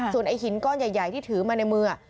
ส่วนไอ้หินก้อนใหญ่ที่ถือมาในมือ